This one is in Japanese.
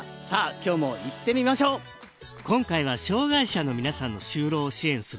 今日も行ってみましょう今回は障害者の皆さんの就労を支援する